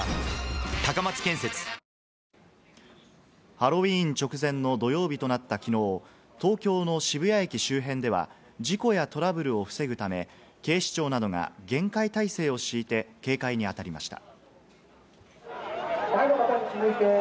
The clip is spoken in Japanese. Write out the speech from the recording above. ハロウィーン直前の土曜日となったきのう、東京の渋谷駅周辺では事故やトラブルを防ぐため、警視庁などが厳戒態勢を敷いて、警戒にあたりました。